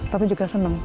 tapi juga senang